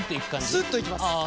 スッといきます。